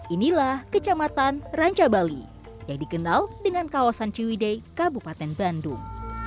inilah kecamatan ranca bali yang dikenal dengan kawasan ciwidei kabupaten bandung